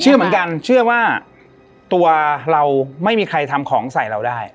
เชื่อเหมือนกันเชื่อว่าตัวเราไม่มีใครทำของใส่เราได้